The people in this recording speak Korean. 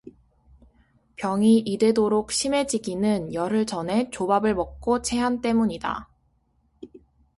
병이 이대도록 심해지기는 열흘전에 조밥을 먹고 체한 때문이다.